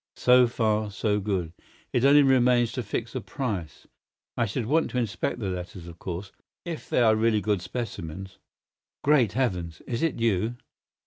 So far so good. It only remains to fix a price. I should want to inspect the letters, of course. If they are really good specimens—Great heavens, is it you?"